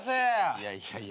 いやいやいや。